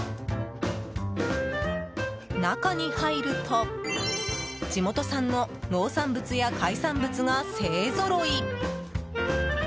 中に入ると地元産の農産物や海産物が勢ぞろい！